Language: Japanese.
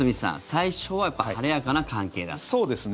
最初は晴れやかな関係だった。